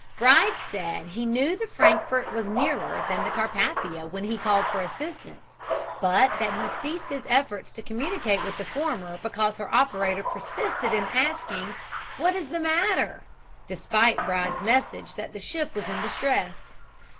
Bride said he knew the Frankfurt was nearer than the Carpathia when he called for assistance, but that he ceased his efforts to communicate with the former because her operator persisted in asking, "What is the matter?" despite Bride's message that the ship was in distress.